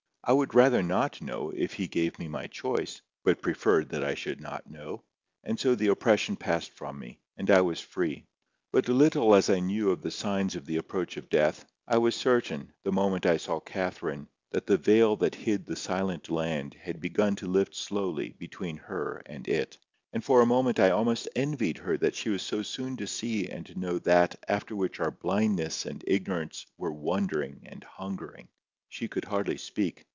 I would rather not know, if He gave me my choice, but preferred that I should not know." And so the oppression passed from me, and I was free. But little as I knew of the signs of the approach of death, I was certain, the moment I saw Catherine, that the veil that hid the "silent land" had begun to lift slowly between her and it. And for a moment I almost envied her that she was so soon to see and know that after which our blindness and ignorance were wondering and hungering. She could hardly speak.